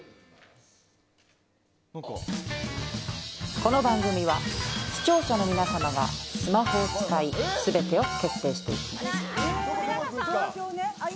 この番組は視聴者の皆さまがスマホを使い全てを決定していきます。